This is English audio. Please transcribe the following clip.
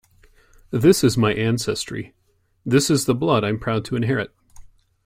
This is my ancestry; this is the blood I am proud to inherit.